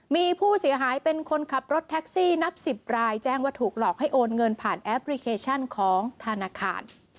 มีผู้เสียหายเป็นคนขับรถแท็กซี่นับ๑๐รายแจ้งว่าถูกหลอกให้โอนเงินผ่านแอปพลิเคชันของธนาคาร